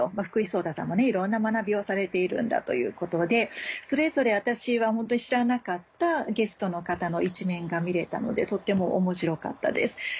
福士蒼汰さんもいろんな学びをされているんだということでそれぞれ私はホントに知らなかったゲストの方の一面が見れたのでとても面白かったです。